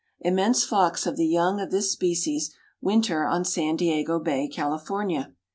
Immense flocks of the young of this species winter on San Diego Bay, California.